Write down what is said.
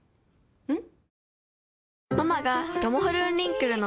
うん？